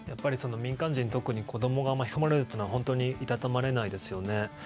民間人、特に子供が巻き込まれるというのは本当にいたたまれないですよね。